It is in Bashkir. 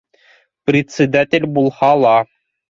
Председатель булһа ла